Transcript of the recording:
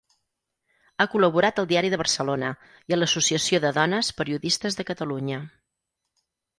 Ha col·laborat al Diari de Barcelona i a l'Associació de Dones Periodistes de Catalunya.